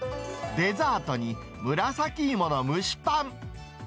デザートにむらさきいもの蒸しパン。